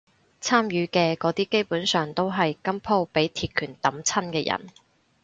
參與嘅嗰啲基本上都係今鋪畀鐵拳揼親嘅人